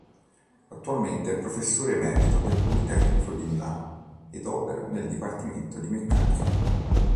Attualmente è professore emerito del Politecnico di Milano ed opera nel Dipartimento di Meccanica.